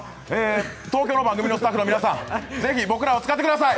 東京の番組のスタッフの皆さん、ぜひ僕らを使ってください。